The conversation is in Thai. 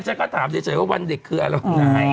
ฉันก็ถามเฉยว่าวันเด็กคืออะไร